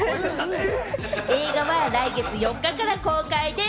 映画は来月４日から公開です。